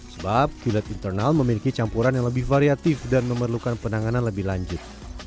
sebab pilot internal memiliki campuran yang lebih variatif dan memerlukan penanganan lebih lanjut